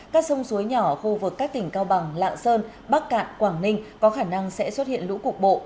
các sông suối nhỏ khu vực các tỉnh cao bằng lạng sơn bắc cạn quảng ninh có khả năng sẽ xuất hiện lũ cục bộ